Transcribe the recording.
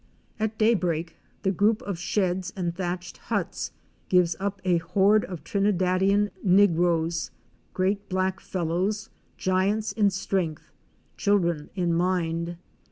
At daybreak the group of sheds and thatched huts gives up a horde of Trinidadian negroes; great black fellows, giants in strength, children in mind.